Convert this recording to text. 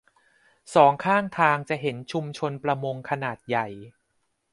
สองข้างทางจะเห็นชุมชนประมงขนาดใหญ่